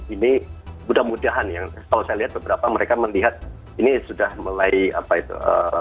ini mudah mudahan ya kalau saya lihat beberapa mereka melihat ini sudah mulai apa itu